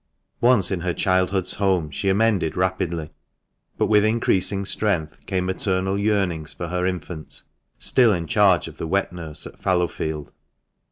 Once in her childhood's home she amended rapidly, but with increasing strength came maternal yearnings for her infant, still in charge of the wet nurse at Fallowfield.